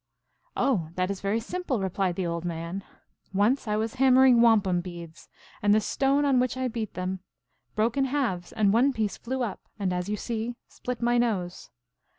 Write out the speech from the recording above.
"" Oh, that is very sim ple," replied the old man. " Once I was hammering wampum beads, and the stone on which I beat them broke in halves, and one piece flew up, and, as you see, split my nose."